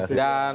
terima kasih pak